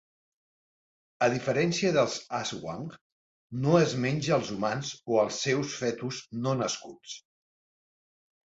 A diferència dels Aswang, no es menja als humans o als seus fetus no nascuts.